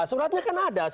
suratnya kan ada